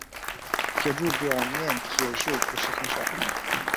铁柱表面铁锈腐蚀很少。